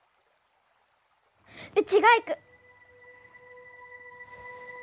うちが行く。